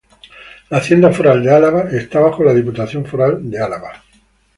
La Hacienda Foral de Álava está bajo la Diputación Foral de Álava.